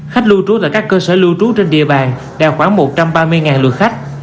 khách lưu trú tại các cơ sở lưu trú trên địa bàn đạt khoảng một trăm ba mươi lượt khách